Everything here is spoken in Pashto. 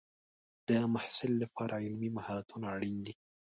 د محصل لپاره عملي مهارتونه اړین دي.